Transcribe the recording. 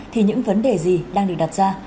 thì những vấn đề gì đang được đặt ra